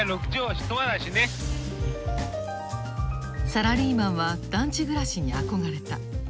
サラリーマンは団地暮らしに憧れた。